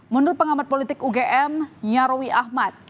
menurut pengamat politik ugm nyarwi ahmad